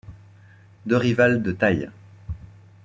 Deux rivales de taille.